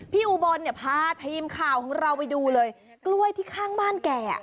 อุบลเนี่ยพาทีมข่าวของเราไปดูเลยกล้วยที่ข้างบ้านแก